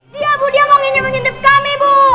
dia bu dia ngongginya mencintip kami bu